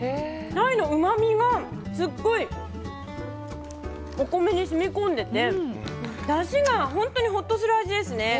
タイのうまみがすっごいお米に染み込んでてだしが本当にほっとする味ですね。